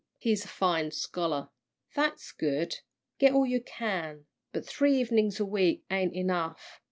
He's a fine scholar." "That's good get all you can; but three evenings a week ain't enough.